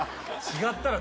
違ったら。